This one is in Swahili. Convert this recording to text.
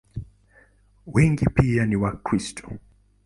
Wengi pia ni Wakristo.